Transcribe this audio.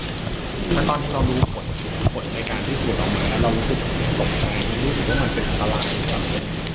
แล้วตอนนี้เรารู้ผลผลในการที่สวดออกมาแล้วเรารู้สึกตกใจหรือรู้สึกว่ามันเป็นปัญหาหรือเปล่า